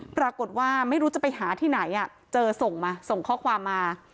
ปรากฏว่าไม่รู้จะไปหาที่ไหนอ่ะเจอส่งมาส่งข้อความมา